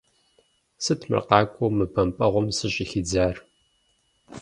Сыт мыр къакӀуэу мы бэмпӀэгъуэм сыщӀыхидзар?